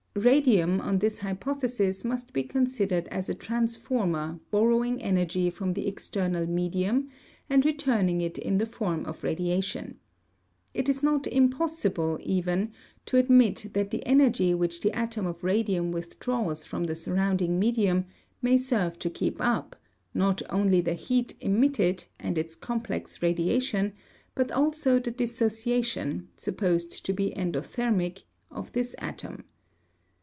Radium on this hypothesis must be considered as a transformer borrowing energy from the external medium and returning it in the form of radiation. It is not impossible, even, to admit that the energy which the atom of radium withdraws from the surrounding medium may serve to keep up, not only the heat emitted and its complex radiation, but also the dissociation, supposed to be endothermic, of this atom.